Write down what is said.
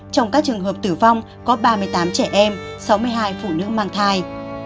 trong các trường hợp tử vong có ba mươi tám trẻ em sáu mươi hai phụ nữ mang thai